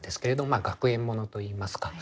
まあ学園物といいますか。